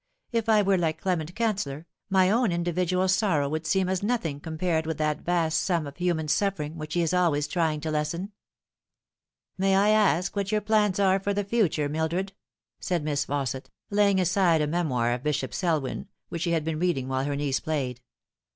"If I were like Clement Canceller, my own individual sorrow would seem as nothing compared with that vast sum of human suffering which he is always trying to lessen." " May I ask what your plans are for the future, Mildred ?" said Miss Fausset, laying aside a memoir of Bishop Selwyn, which she had been reading while her niece played.